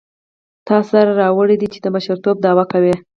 تا څه سر راوړی دی چې د مشرتوب دعوه کوې.